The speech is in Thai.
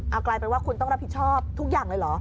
เอากลายเป็นว่าคุณต้องรับผิดชอบทุกอย่างเลยเหรอ